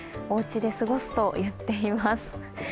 おうちで過ごすと言っています。